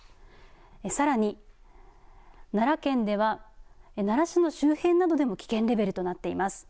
さらに奈良県では奈良市の周辺などでも危険レベルとなっています。